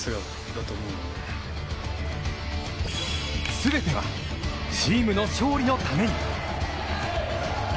全ては、チームの勝利のために。